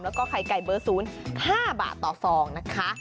แล้วก็ไข่ไก่เบอร์๐๕บาทต่อฟองนะคะ